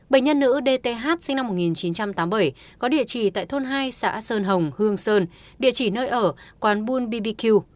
bệnh nhân nữ dth sinh năm một nghìn chín trăm tám mươi bảy có địa chỉ tại thôn hai xã sơn hồng hương sơn địa chỉ nơi ở quán bulbq